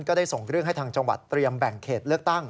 ก็ได้ส่งเรื่องให้ทางจังหวัดเตรียมแบ่งเขตเลือกตั้ง